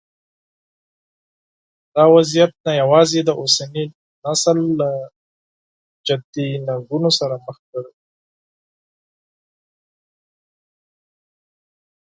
دا وضعیت نه یوازې اوسنی نسل له جدي ننګونو سره مخ کړی.